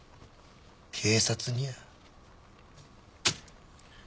警察にや。